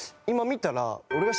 今見たら。